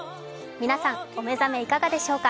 皆さん、お目覚めいかがでしょうか。